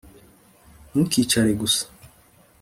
ntukicare gusa